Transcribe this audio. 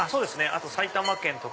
あと埼玉県とか。